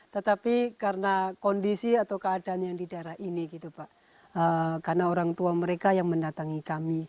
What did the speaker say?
tetapi karena kondisi atau keadaan yang di daerah ini gitu pak karena orang tua mereka yang mendatangi kami